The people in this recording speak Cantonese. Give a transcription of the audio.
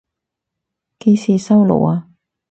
幾時收爐啊？